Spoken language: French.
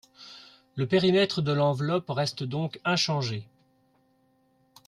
Le périmètre de l’enveloppe reste donc inchangé.